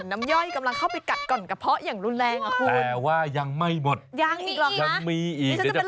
โอ้โหตอนนี้ท้องร้องเหมือนน้ำย่อยกำลังเข้าไปกัดก่อนกระเพาะอย่างรุนแรง